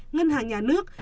ngân hàng nhà nước